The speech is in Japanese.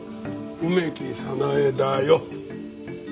梅木早苗だよ。